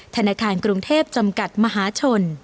ธนาคารกรุงเทพจำกัดมหาชน